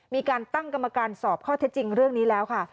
มีการตั้งกรรมการสอบข้อเท็จจริงเรื่องนี้แล้วค่ะ